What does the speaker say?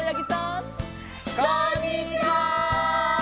こんにちは！